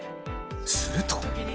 すると。